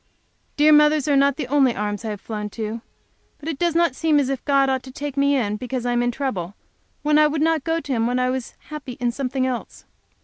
Dear mother's are not the only arms I have flown to. But it does not seem as if God ought to take me in because I am in trouble, when I would not go to him when I was happy in something else.